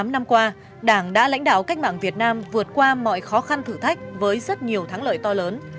tám mươi năm năm qua đảng đã lãnh đạo cách mạng việt nam vượt qua mọi khó khăn thử thách với rất nhiều thắng lợi to lớn